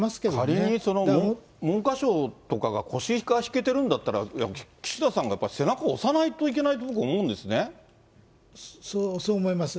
仮に文科省とかが腰が引けてるんだったら、岸田さんがやっぱり背中押さないといけないと僕、そう思います。